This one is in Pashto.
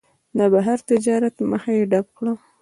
د بهر تجارت مخه یې ډپ کړه.